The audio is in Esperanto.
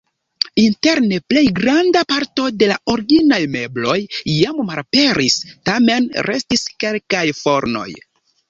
Interne plej granda parto de la originaj mebloj jam malaperis, tamen restis kelkaj fornoj.